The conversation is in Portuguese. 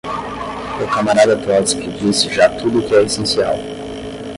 O camarada Trótski disse já tudo o que é essencial